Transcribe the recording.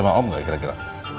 mirip sama om enggak kira kira